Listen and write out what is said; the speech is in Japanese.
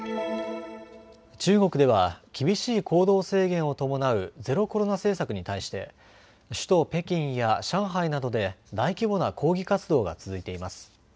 中国では厳しい行動制限を伴うゼロコロナ政策に対して首都北京や上海などで大規模な抗議活動が続いています。